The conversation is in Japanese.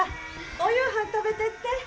お夕飯食べてって。